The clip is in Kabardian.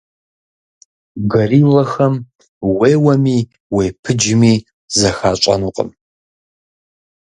Гориллэхэм уеуэми, уепыджми, зэхащӀэнукъым.